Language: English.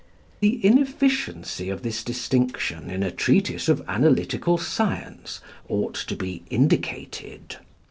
The inefficiency of this distinction in a treatise of analytical science ought to be indicated.